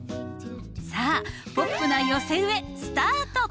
さあポップな寄せ植えスタート！